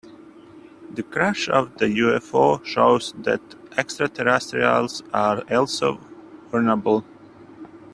The crash of the UFO shows that extraterrestrials are also vulnerable.